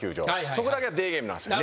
そこだけはデーゲームなんですよ